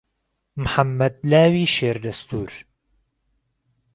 محەممەد لاوی شێر دهستور